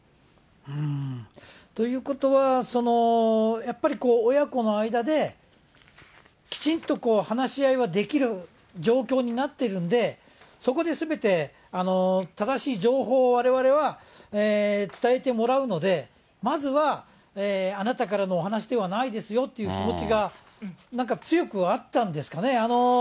ということは、やっぱりこう、親子の間できちんと話し合いはできる状況になってるんで、そこですべて正しい情報をわれわれは伝えてもらうので、まずはあなたからのお話しではないですよという気持ちが、なんか強くあったんですかね。